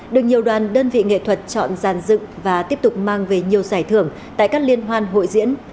được nhiều đoàn đơn vị nghệ thuật chọn giàn dựng và tiếp tục mang về nhiều giải thưởng tại các liên hoan hội diễn